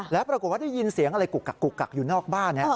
แล้วปรากฏว่าได้ยินเสียงอะไรกุกกักกุกกักอยู่นอกบ้าน